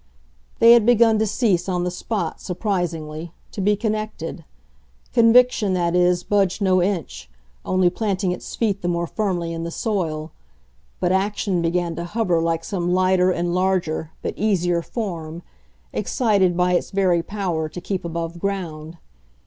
They had begun to cease, on the spot, surprisingly, to be connected; conviction, that is, budged no inch, only planting its feet the more firmly in the soil but action began to hover like some lighter and larger, but easier form, excited by its very power to keep above ground.